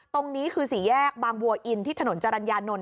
ตรงนี้คือสี่แยกบางบัวอินที่ถนนจรรยานนท